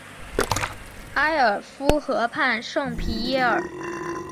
埃尔夫河畔圣皮耶尔。